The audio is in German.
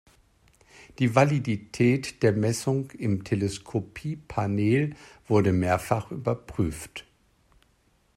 Die Validität der Messung im Teleskopie-Panel wurde mehrfach überprüft.